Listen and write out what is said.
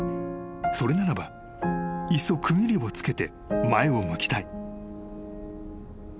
［それならばいっそ区切りをつけて前を向きたい］